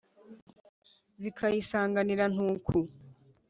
zikayisanganira ntuku.